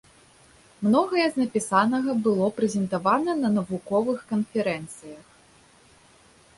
Многае з напісанага было прэзентавана на навуковых канферэнцыях.